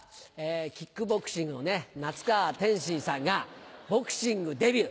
キックボクシングの那須川天心さんがボクシングデビュー。